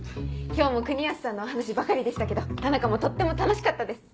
今日も国安さんのお話ばかりでしたけど田中もとっても楽しかったです。